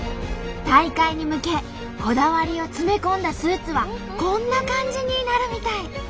大会に向けこだわりを詰め込んだスーツはこんな感じになるみたい。